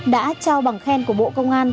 đã trao bằng khen của bộ công an